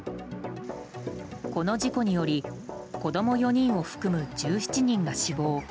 この事故により子供４人を含む１７人が死亡。